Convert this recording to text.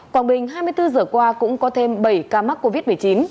quảng bình hai mươi bốn giờ qua cũng có thêm bảy ca mắc covid một mươi chín